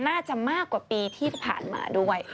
น่าจะมากกว่าปีที่ผ่านมาด้วย